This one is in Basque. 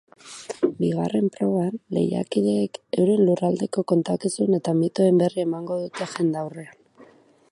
Bigarren proban, lehiakideek euren lurraldeko kontakizun eta mitoen berri emango dute jendaurrean.